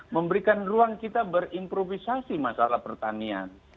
memberikan ruang kita berimprovisasi masalah pertanian